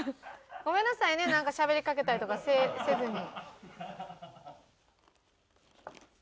ごめんなさいねしゃべりかけたりとかせずに。